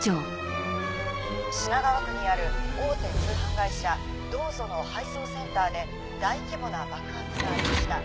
品川区にある大手通販会社「ＤＯＵＺＯ」の配送センターで大規模な爆発がありました。